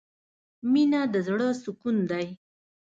مینه د زړه سکون دی.